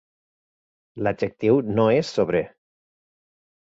L'adjectiu no és sobrer.